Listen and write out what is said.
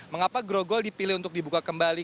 mengapa grogol dipilih untuk dibuka kembali